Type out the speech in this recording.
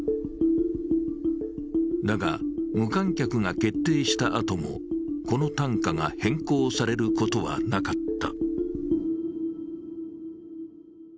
だが無観客が決定したあともこの単価が変更されることはなかった。